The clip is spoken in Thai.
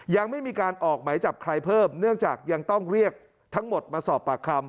ยังไม่มีการออกไหมจับใครเพิ่มเนื่องจากยังต้องเรียกทั้งหมดมาสอบปากคำ